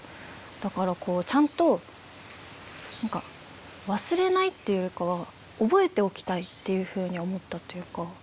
だからちゃんと何か忘れないっていうよりかは覚えておきたいっていうふうに思ったというか。